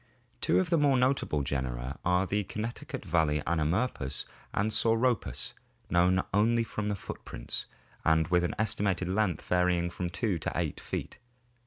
Two of the more notable genera are the Connecticut valley Anomcspus (see Fig. 101) and Sauropus, known only from the footprints and i with an estimated length varying from 2 to 8 feet.